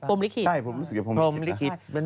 อ๋อภรรพมลิขิต